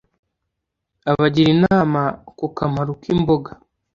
abagira inama ku kamaro k’imboga